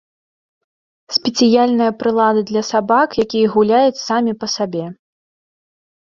Спецыяльная прылада для сабак, якія гуляюць самі па сабе.